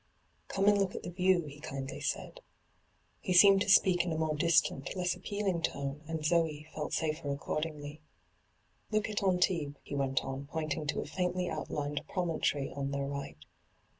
' Come and look at the view,' he kindly said. He seemed to speak in a more distant, less appealing tone, and Zoe felt safer accord ingly. ' Look at Antibes,' he went on, pointing to a faintly outlined promontory on their right.